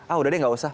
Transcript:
ah udah deh gak usah